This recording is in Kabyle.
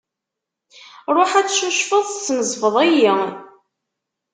Ruḥ ad tcucfeḍ, tesnezfeḍ-iyi.